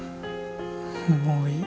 もういい。